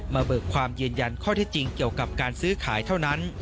เบิกความยืนยันข้อที่จริงเกี่ยวกับการซื้อขายเท่านั้น